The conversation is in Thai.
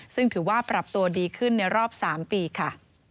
ซึ่งถือว่าปรับตัวดีขึ้นในรอบ๓ปีค่ะ